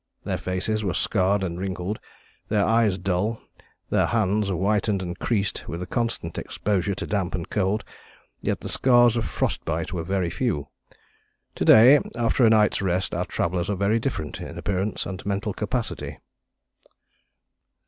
Their faces were scarred and wrinkled, their eyes dull, their hands whitened and creased with the constant exposure to damp and cold, yet the scars of frost bite were very few ... to day after a night's rest our travellers are very different in appearance and mental capacity."